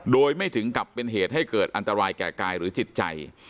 โดยไม่ถึงกับเป็นเหตุให้เกิดอันตรายแก่กายหรือจิตใจ